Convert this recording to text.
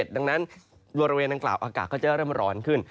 ดังนั้นบริเวณดังกล่าวอากาศก็จะเริ่มร้อนขึ้น